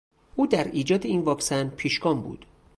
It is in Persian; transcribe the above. او در ایجاد این واکسن پیشگام بود.